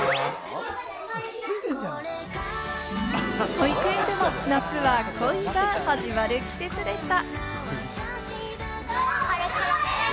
保育園でも夏は恋が始まる季節でした。